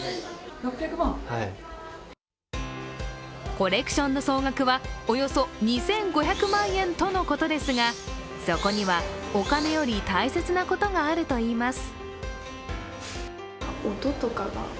コレクションの総額はおよそ２５００万円とのことですがそこには、お金より大切なことがあるといいます。